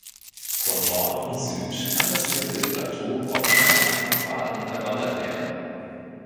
Von Nord und Süd kann das Gipfelplateau auf schmalen Pfaden erwandert werden.